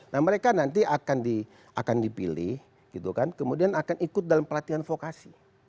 nah mereka nanti akan dipilih gitu kan kemudian akan ikut dalam pelatihan vokasi